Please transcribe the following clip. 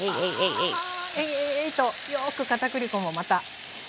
えいえいえいえいとよく片栗粉もまた。